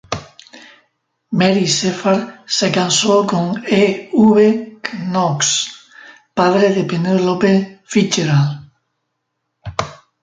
Mary Shepard se casó con E. V. Knox, padre de Penelope Fitzgerald.